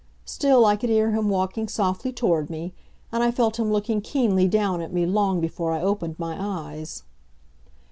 Still, I could hear him walking softly toward me, and I felt him looking keenly down at me long before I opened my eyes.